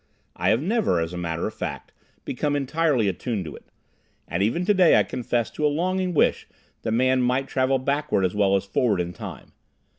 I have never, as a matter of fact, become entirely attuned to it. And even today I confess to a longing wish that man might travel backward as well as forward in time.